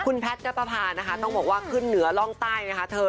คุณแพทย์นัปภาขึ้นเหนือร่องใต้